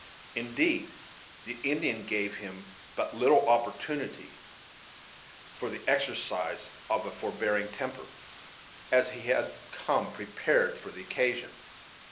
Indeed, the Indian gave him but little opportunity for the exercise of a forbearing temper, as he had come prepared for the occasion.